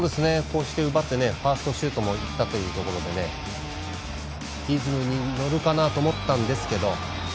奪ってファーストシュートもいったというところでリズムに乗るかなと思ったんですけど。